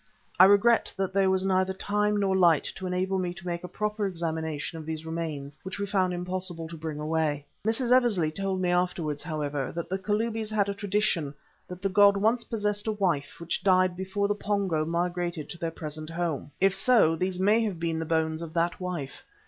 I regret that there was neither time nor light to enable me to make a proper examination of these remains, which we found it impossible to bring away. Mrs. Eversley told me afterwards, however, that the Kalubis had a tradition that the god once possessed a wife which died before the Pongo migrated to their present home. If so, these may have been the bones of that wife.